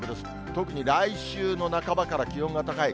特に来週の半ばから気温が高い。